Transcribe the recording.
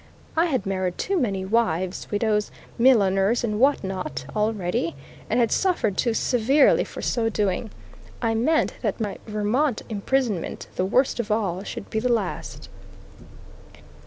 I had married too many wives, widows, milliners, and what not, already, and had suffered too severely for so doing. I meant that my Vermont imprisonment, the worst of all, should be the last.